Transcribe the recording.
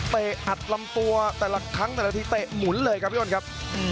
อัดลำตัวแต่ละครั้งแต่ละทีเตะหมุนเลยครับพี่อ้นครับ